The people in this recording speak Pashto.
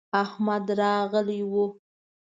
احمد راغلی و.